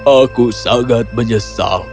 aku sangat menyesal